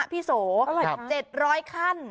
พี่โสเจ็ดร้อยขั้น